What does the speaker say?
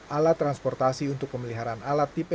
alat transportasi untuk pemeliharaan alat tipe